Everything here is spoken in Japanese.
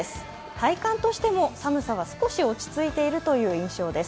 体感としても寒さが少し落ち着いているという印象です。